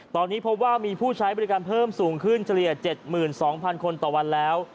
ตอนนี้พบว่ามีผู้ใช้บริการเพิ่มสูงขึ้นเฉลี่ย๗๒๐๐คนต่อวันแล้ว